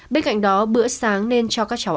bên cạnh đó bữa sáng nên cho các cháu